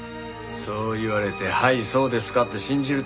そう言われて「はいそうですか」って信じると思う？